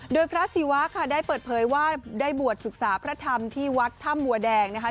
โดยพระศิวะค่ะได้เปิดเผยว่าได้บวชศึกษาพระธรรมที่วัดถ้ำบัวแดงนะคะ